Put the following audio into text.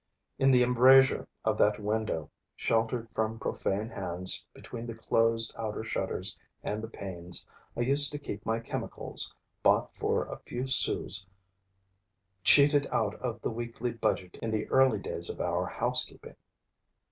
In the embrasure of that window, sheltered from profane hands, between the closed outer shutters and the panes, I used to keep my chemicals, bought for a few sous cheated out of the weekly budget in the early days of our housekeeping.